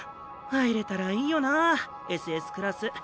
入れたらいいよなＳＳクラス。